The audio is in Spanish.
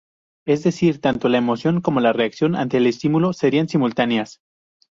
Es decir, tanto la emoción como la reacción ante un estímulo serían simultáneas.